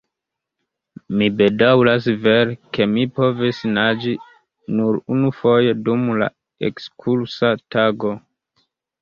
Mi bedaŭras vere, ke mi povis naĝi nur unufoje, dum la ekskursa tago.